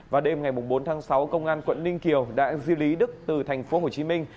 và đêm ngày bốn tháng sáu công an quận ninh kiều đã di lý đức từ thành phố hồ chí minh